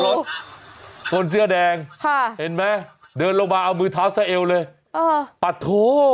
เจ้าของรถคนเสื้อแดงเห็นไหมเดินลงมาเอามือเท้าใส่เอวเลยปัดโท